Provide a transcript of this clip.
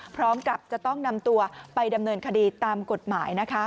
พร้อมกับจะต้องนำตัวไปดำเนินคดีตามกฎหมายนะคะ